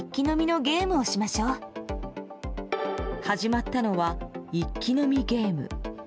始まったのは一気飲みゲーム。